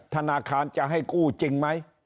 ธนาคารจะให้กู้จริงไหม